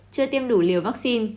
chưa tiêm đủ liều vaccine